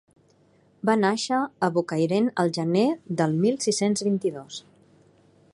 Va nàixer a Bocairent al gener del mil sis-cents vint-i-dos.